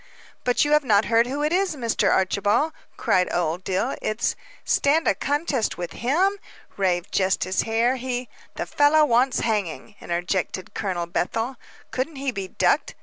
"But you have not heard who it is, Mr. Archibald," cried Old Dill, "It " "Stand a contest with him?" raved Justice Hare. "He " "The fellow wants hanging," interjected Colonel Bethel. "Couldn't he be ducked?"